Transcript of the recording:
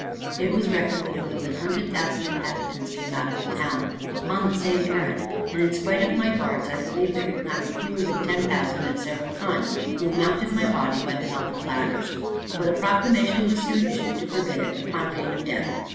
It was reckoned, that above an hundred thousand inhabitants came out of the town upon the same errand; and, in spite of my guards, I believe there could not be fewer than ten thousand, at several times, who mounted my body by the help of ladders. But a proclamation was soon issued to forbid it, upon pain of death.